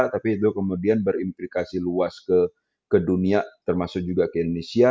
tapi itu kemudian berimplikasi luas ke dunia termasuk juga ke indonesia